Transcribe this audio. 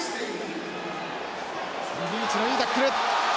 リーチのいいタックル！